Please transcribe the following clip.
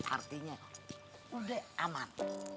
artinya udah aman